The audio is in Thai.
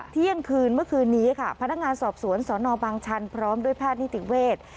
เที่ยงคืนเมื่อคืนนี้ค่ะพนักงานสอบสวนสนบางชันพร้อมด้วยแพทย์นิติเวทย์